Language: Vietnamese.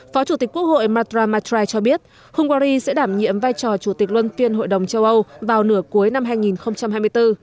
phó chủ tịch quốc hội marta matrai cho biết hungary sẽ đảm nhiệm vai trò chủ tịch luân phiên hội đồng châu âu vào nửa cuối năm hai nghìn hai mươi bốn